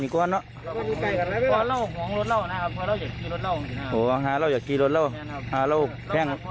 คุณแกยุคกดูเด้อ